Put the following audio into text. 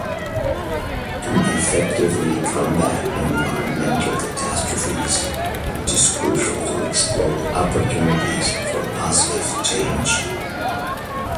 To effectively combat environmental catastrophes, it is crucial to exploit opportunities for positive change.